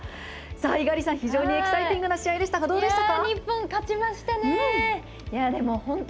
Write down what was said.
猪狩さん、非常にエキサイティングな試合でしたがどうでしたか？